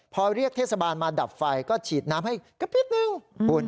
พอเรียกเทศบาลมาดับไฟก็ฉีดน้ำให้กระพริบนึงคุณ